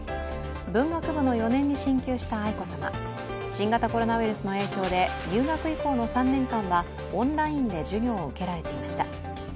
文学部の４年に進級した愛子さま、新型コロナウイルスの影響で入学以降の３年間はオンラインで授業を受けられていました。